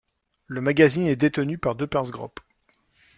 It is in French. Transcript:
Le magazine est détenue par De Persgroep.